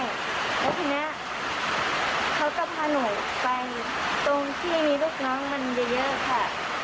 แล้วทีนี้เขาก็พาหนูไปตรงที่มีลูกน้องมันเยอะค่ะ